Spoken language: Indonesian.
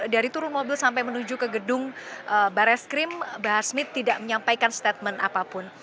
dari turun mobil sampai menuju ke gedung barreskrim bahar smith tidak menyampaikan statement apapun